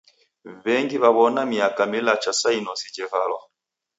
W'engi w'aw'ona miaka milacha sa inosi jevalwa.